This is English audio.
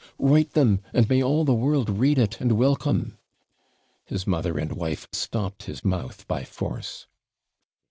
'Write them; and may all the world read it, and welcome!' His mother and wife stopped his mouth by force.